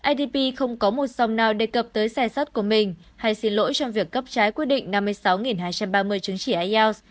idp không có một dòng nào đề cập tới sai sót của mình hay xin lỗi trong việc cấp trái quy định năm mươi sáu hai trăm ba mươi chứng chỉ ielts